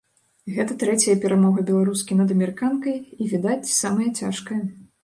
Гэта трэцяя перамога беларускі над амерыканкай і, відаць, самая цяжкая.